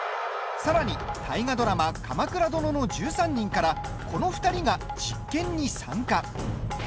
さらに大河ドラマ「鎌倉殿の１３人」からこの２人が実験に参加。